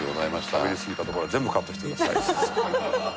しゃべりすぎたところは全部カットしてください。